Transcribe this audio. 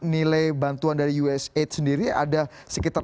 nilai bantuan dari usaid sendiri ada sekitar empat ratus